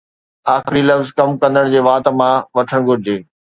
آخري لفظ ڪم ڪندڙ جي وات مان وٺڻ گهرجي